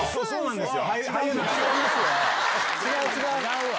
違うわ！